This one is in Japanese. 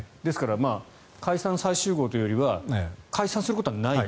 解散、再集合よりは解散することはないと。